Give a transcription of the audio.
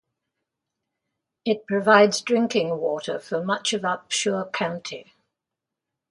It provides drinking water for much of Upshur County.